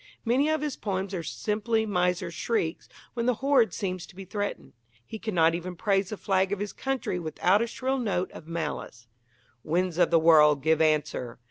Many of his poems are simply miser's shrieks when the hoard seems to be threatened. He cannot even praise the flag of his country without a shrill note of malice: Winds of the world, give answer!